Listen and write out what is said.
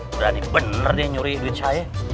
berani bener dia nyuri duit saya